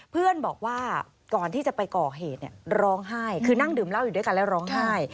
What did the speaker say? เพื่อนบอกว่าก่อนที่จะไปก่อเหตุร้องไห้คือนั่งดื่มเหล้าอยู่ด้วยกันแล้วร้องไห้